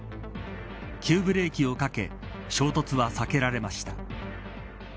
急ブレーキをかけ衝突は避けられました。